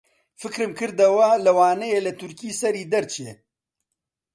فکرم کردەوە لەوانەیە لە تورکی سەری دەرچێ